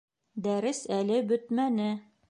Дәрес әле бөтмәне